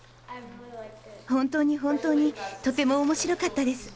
本当に本当にとても面白かったです。